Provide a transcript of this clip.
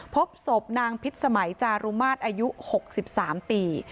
พบศพนางพิษสมัยจารุมาตรอายุหกสิบสามปี